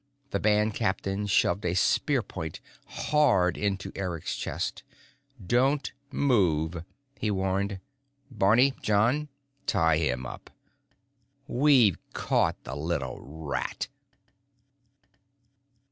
The band captain shoved a spear point hard against Eric's chest. "Don't move," he warned. "Barney. John. Tie him up. We've caught the little rat!"